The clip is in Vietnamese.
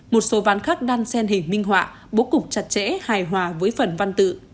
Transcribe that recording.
một số ván khắc đan sen hình minh họa bố cục chặt chẽ hài hòa với phần văn tự